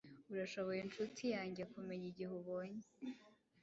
Urashoboyenshuti yanjyekumenya igihe ubonye